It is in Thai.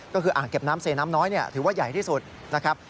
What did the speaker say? ก็คืออ่างเก็บน้ำเซน้ำน้อยถือว่าใหญ่ที่สุดนะครับ